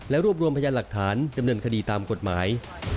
และรวบรวมพยานหลักฐานเตรียมเนินคดีตามกฎหมาย